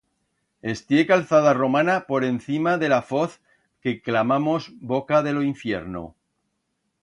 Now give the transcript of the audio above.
Estié calzada romana por encima de la foz que clamamos Boca de lo Infierno.